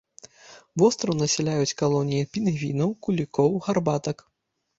Востраў насяляюць калоніі пінгвінаў, кулікоў, гарбатак.